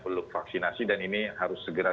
perlu vaksinasi dan ini harus segera